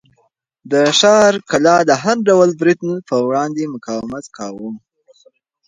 د ښار کلا د هر ډول برید په وړاندې مقاومت کاوه.